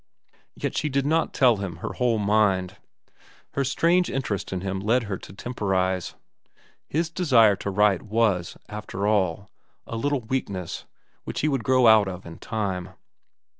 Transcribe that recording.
Yet she did not tell him her whole mind. Her strange interest in him led her to temporize. His desire to write was, after all, a little weakness which he would grow out of in time.